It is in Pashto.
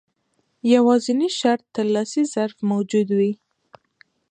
يوازنی شرط د ترلاسي ظرف موجود وي.